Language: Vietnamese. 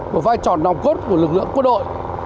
một vai trò nòng cốt của lực lượng quân đội